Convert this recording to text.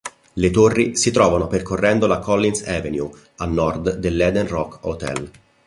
Le torri si trovano percorrendo la Collins Avenue, a nord del Eden Roc Hotel.